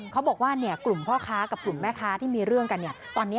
เขาบอกว่ากลุ่มพ่อค้ากับกลุ่มแม่ค้าที่มีเรื่องกันตอนนี้